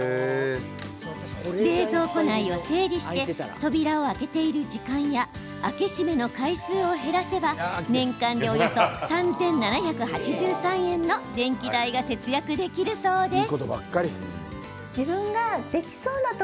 冷蔵庫内を整理して扉を開けている時間や開け閉めの回数を減らせば年間でおよそ３７８３円の電気代が節約できるそうです。